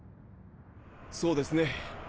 そうですね。